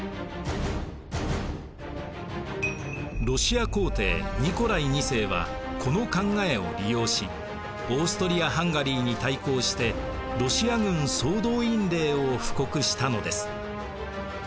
ロシア皇帝ニコライ２世はこの考えを利用しオーストリア・ハンガリーに対抗してロシア軍総動員令を布告したのです。